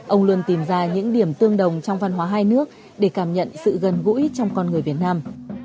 ông luôn tìm ra những điểm tương đồng trong văn hóa hai nước để cảm nhận sự gần gũi trong con người việt nam